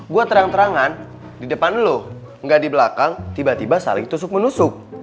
gua terang terangan di depan lu gak di belakang tiba tiba saling tusuk menusuk